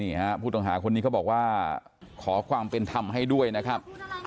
ผู้ต้องหาคนนี้เขาบอกว่าขอความเป็นธรรมให้ด้วยนะครับ